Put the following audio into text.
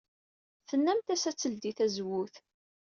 Tennamt-as ad teldey tazewwut.